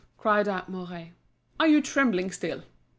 cried out Mouret, "are you trembling still?"